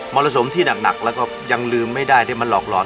รสมที่หนักแล้วก็ยังลืมไม่ได้ที่มันหลอกหลอน